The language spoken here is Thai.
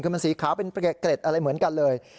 คือมันสีขาวเป็นเกร็ดอะไรเหมือนกันเลย